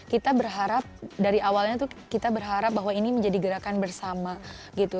kita berharap dari awalnya tuh kita berharap bahwa ini menjadi gerakan bersama gitu